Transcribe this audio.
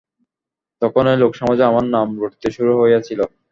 তখনই লোকসমাজে আমার নাম রটিতে শুরু হইয়াছিল।